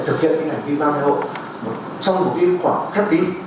để thực hiện những hành vi mang thai hộ trong một khoảng khép kín